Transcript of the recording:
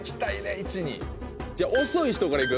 １にじゃあ遅い人からいく？